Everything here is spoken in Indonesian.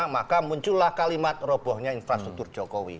maka muncullah kalimat robohnya infrastruktur jokowi